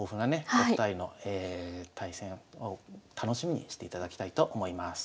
お二人の対戦を楽しみにしていただきたいと思います。